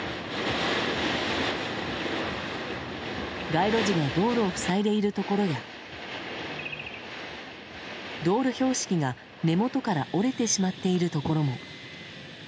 街路樹が道路を塞いでいるところや道路標識が根元から折れてしまっているところも。